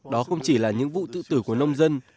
đó không chỉ là những vụ tự tử của nông dân